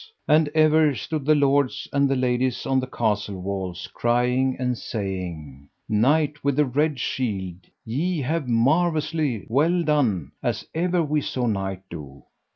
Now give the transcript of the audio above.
And ever stood the lords and the ladies on the castle walls crying and saying: Knight with the Red Shield, ye have marvellously well done as ever we saw knight do.